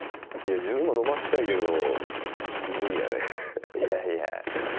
自分も伸ばしたいけど、無理やね。